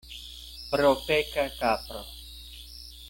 Propeka kapro.